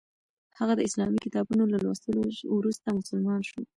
هغه د اسلامي کتابونو له لوستلو وروسته مسلمان شو.